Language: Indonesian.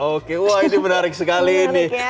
oke wah ini menarik sekali ini